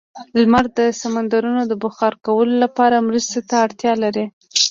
لمر د سمندرونو د بخار کولو لپاره مرستې ته اړتیا لري.